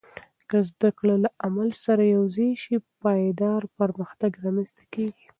که زده کړه له عمل سره یوځای شي، پایدار پرمختګ رامنځته کېږي.